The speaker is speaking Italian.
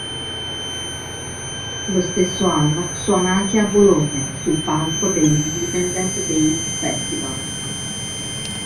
Lo stesso anno suona anche a Bologna sul palco dell'Indipendent Days Festival.